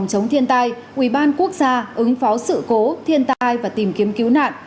sống thiên tài ubnd quốc gia ứng phó sự cố thiên tai và tìm kiếm cứu nạn